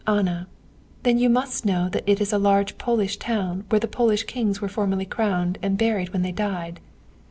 "Anna: 'Then you must know that it is a large Polish town where the Polish kings were formerly crowned and buried when they died.